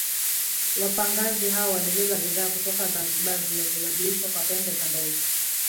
Wapagazi wao walibeba bidhaa kutoka Zanzibar zilizobadilishwa kwa pembe za ndovu